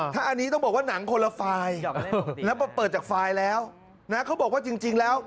ถ้าอันนี้ต้องบอกว่าหนังคนละไฟล์แล้วเปิดจากไฟล์แล้วนะเขาบอกว่าจริงแล้ว